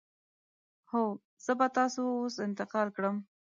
هو، زه به تاسو اوس انتقال کړم.